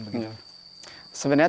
sebenarnya tidak ada perintah